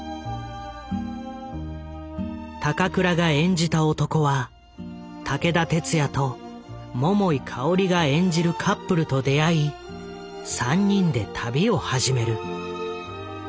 高倉が演じた男は武田鉄矢と桃井かおりが演じるカップルと出会い３人で旅を始める。